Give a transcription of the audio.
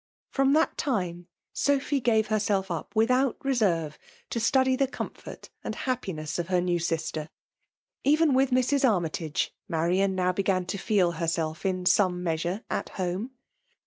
From that time, Sophy gave herself up without reserve to study the comfort and happiness of her new sistee. Even with Mrs. Armytage, Marian now began to feel herself in some measure at home.